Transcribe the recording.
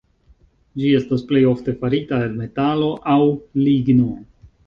Ĝi estas plej ofte farita el metalo aŭ ligno.